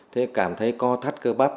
sẽ cảm thấy có thắt cơ bắp